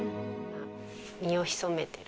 身を潜めてる感じ。